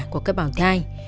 của các bảo thai